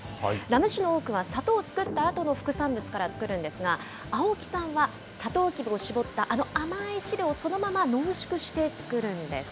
ラム酒の多くは、砂糖を作ったあとの副産物から造るんですが、青木さんはサトウキビを搾ったあの甘い汁をそのまま濃縮して造るんです。